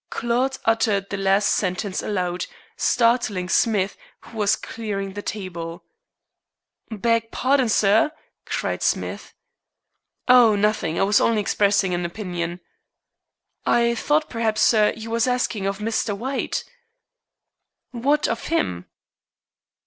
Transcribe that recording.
Claude uttered the last sentence aloud, startling Smith, who was clearing the table. "Beg pardon, sir," cried Smith. "Oh, nothing. I was only expressing an opinion." "I thought, perhaps, sir, you was thinkin' of Mr. White." "What of him?"